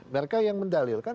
mereka yang mendalilkan